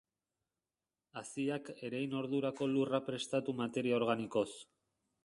Haziak erein ordurako lurra prestatu materia organikoz.